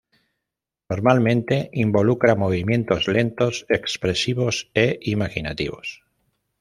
Normalmente involucra movimientos lentos, expresivos e imaginativos.